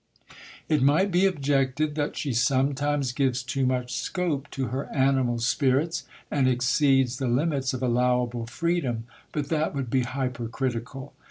It might be objected that she sometimes gives too much scope to her animal spirits, and exceeds the limits of allowable freedom, but that would be hypercritical.